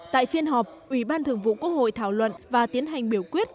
tại phiên họp ủy ban thường vụ quốc hội thảo luận và tiến hành biểu quyết